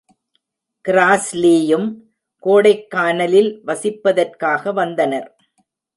கிராஸ்லீயும் கோடைக்கானலில் வசிப்பதற்காக வந்தனர்.